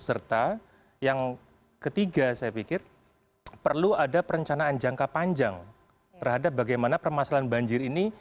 serta yang ketiga saya pikir perlu ada perencanaan jangka panjang terhadap bagaimana permasalahan banjir ini